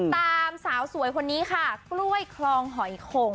สาวสวยคนนี้ค่ะกล้วยคลองหอยคง